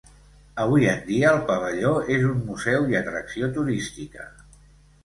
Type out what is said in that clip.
Avui en dia, el pavelló és un museu i atracció turística.